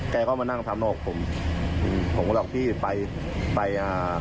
แกก็มานั่งถามโน้นกับผมอืมผมก็บอกพี่ไปไปอ่า